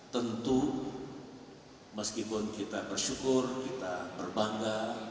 tentu meskipun kita bersyukur kita berbangga